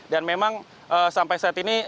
dan memang sampai saat ini